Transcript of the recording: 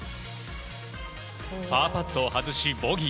パーパットを外しボギー。